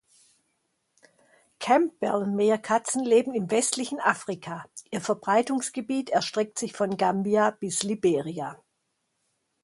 Campbell-Meerkatzen leben im westlichen Afrika, ihr Verbreitungsgebiet erstreckt sich von Gambia bis Liberia.